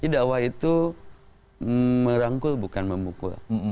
dakwah itu merangkul bukan memukul